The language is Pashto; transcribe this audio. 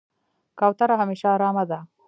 کوتره همیشه آرامه ده.